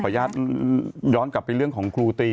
อย่าไปเรื่องของครูตรี